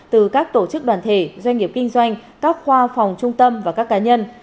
từ các tổ chức đoàn thể doanh nghiệp kinh doanh các khoa phòng trung tâm và các cá nhân